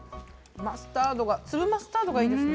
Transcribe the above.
粒マスタードがいいですね。